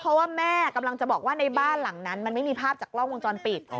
เพราะว่าแม่กำลังจะบอกว่าในบ้านหลังนั้นมันไม่มีภาพจากกล้องวงจรปิด